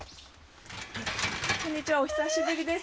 こんにちはお久しぶりです。